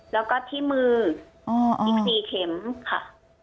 แล้วก็ที่มืออีก๔เข็มค่ะ